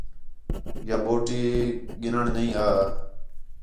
یا بوٹی گِھنّݨ نئی آ